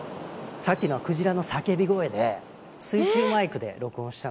さっきのクジラの叫び声で水中マイクで録音したのね。